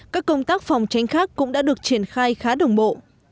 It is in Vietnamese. các công tác phòng tránh khác cũng đã được triển khai khá đồng bộ